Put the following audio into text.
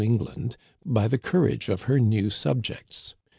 169 England by the courage of her new subjects.